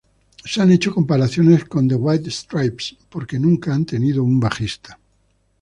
Se han hecho comparaciones con The White Stripes, porque nunca han tenido un bajista.